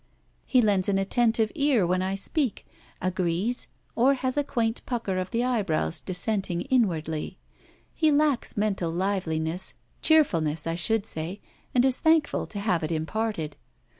He lends an attentive ear when I speak, agrees or has a quaint pucker of the eyebrows dissenting inwardly. He lacks mental liveliness cheerfulness, I should say, and is thankful to have it imparted.